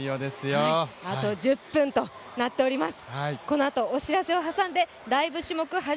あと１０分となっております。